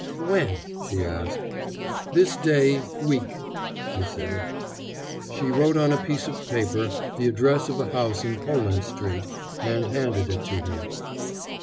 "When?" she asked. "This day week," he said. She wrote on a piece of paper the address of a house in Poland Street; and handed it to him.